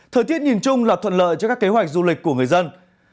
thời tiết nhìn chung là thuận lợi cho các kế hoạch du lịch của người dân